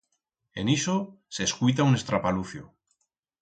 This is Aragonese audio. En ixo, s'escuita un estrapalucio.